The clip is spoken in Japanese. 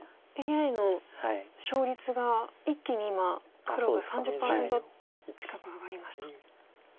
ＡＩの勝率が一気に今黒が３０％近く上がりました。